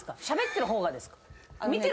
しゃべってる方がですか？